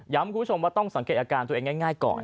คุณผู้ชมว่าต้องสังเกตอาการตัวเองง่ายก่อน